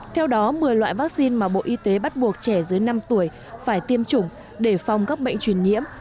theo đó một mươi loại vaccine mà bộ y tế bắt buộc trẻ dưới năm tuổi phải tiêm chủng để phòng các bệnh truyền nhiễm